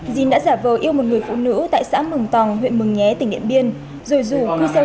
dín đã giả vờ yêu một người phụ nữ tại xã mừng tòng huyện mường nhé tỉnh điện biên rồi rủ cư xe